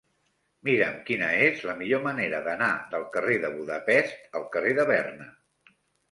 Mira'm quina és la millor manera d'anar del carrer de Budapest al carrer de Berna.